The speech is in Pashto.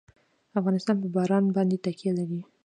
افغانستان په باران باندې تکیه لري.